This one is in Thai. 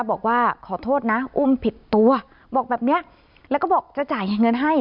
บอกว่าขอโทษนะอุ้มผิดตัวบอกแบบนี้แล้วก็บอกจะจ่ายเงินให้